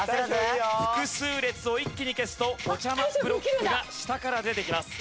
複数列を一気に消すとおじゃまブロックが下から出てきます。